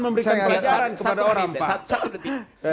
memberikan pelajaran kepada orang pak